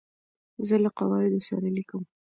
زه له قواعدو سره لیکم.